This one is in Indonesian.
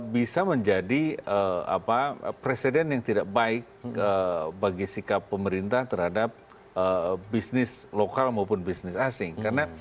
bisa menjadi presiden yang tidak baik bagi sikap pemerintah terhadap bisnis lokal maupun bisnis asing